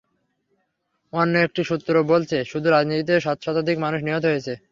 অন্য একটি সূত্র বলছে, শুধু রাজধানীতে সাত শতাধিক মানুষ নিহত হয়েছে।